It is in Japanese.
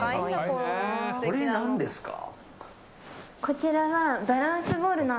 これ、何ですか。